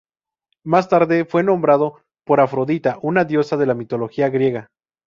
Más tarde fue nombrado por Afrodita, una diosa de la mitología griega.